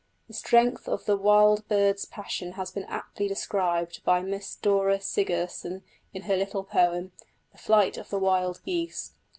The strength of the wild bird's passion has been aptly described by Miss Dora Sigerson in her little poem, "The Flight of the Wild Geese."